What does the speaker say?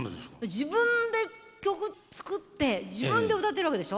自分で曲作って自分で歌ってるわけでしょ。